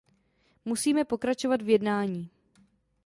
Musíme pokračovat v jednání.